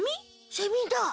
セミだ。